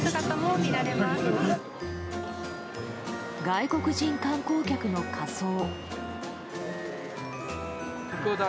外国人観光客の仮装。